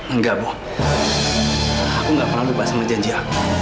enggak bu aku nggak pernah lupa sama janji aku